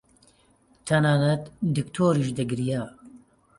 تەنانەت دکتۆریش دەگریا.